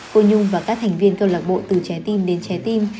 cô nhung và các thành viên câu lạc bộ từ trái tim đến trái tim